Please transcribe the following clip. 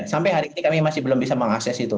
sampai hari ini kami masih belum bisa mengakses itu